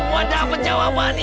gua dapet jawabannya